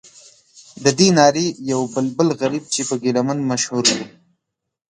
ددې نارې یو بلبل غریب چې په ګیله من مشهور و.